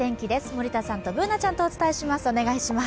森田さんとＢｏｏｎａちゃんとお伝えします。